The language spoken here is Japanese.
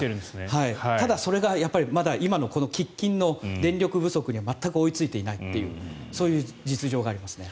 ただ、それがまだ今の喫緊の電力不足には全く追いついていないというそういう実情がありますね。